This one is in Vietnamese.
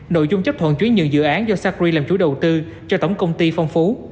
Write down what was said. nội dung chấp thuận chuyển nhượng dự án do sacri làm chủ đầu tư cho tổng công ty phong phú